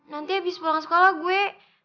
nanti abis pulang sekolah gue